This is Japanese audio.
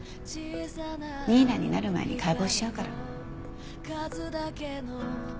ミイラになる前に解剖しちゃうから。